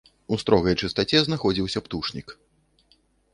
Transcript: У строгай чыстаце знаходзіўся птушнік.